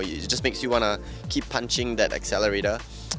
ini membuat kamu ingin mengekalkan akselerator